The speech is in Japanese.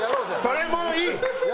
それもういい！